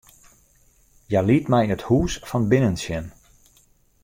Hja liet my it hûs fan binnen sjen.